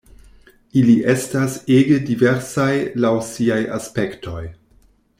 Ili estas ege diversaj laŭ siaj aspektoj.